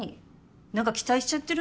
何か期待しちゃってる？